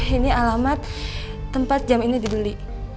ini alamat tempat jam ini dibeli